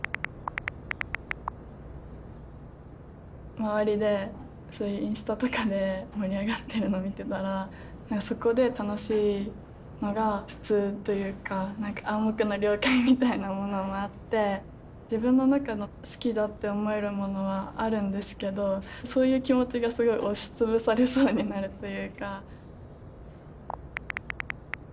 周りでインスタとかで盛り上がってるのを見てたらそこで楽しいのが普通というかなんか暗黙の了解みたいなものもあって自分の中の好きだって思えるものはあるんですけどそういう気持ちがすごい押し潰されそうになるというか。